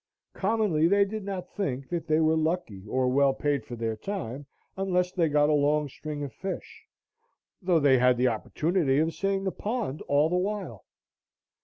Commonly they did not think that they were lucky, or well paid for their time, unless they got a long string of fish, though they had the opportunity of seeing the pond all the while.